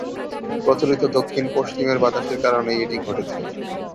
প্রচলিত দক্ষিণ-পশ্চিমের বাতাসের কারণেই এটি ঘটেছে।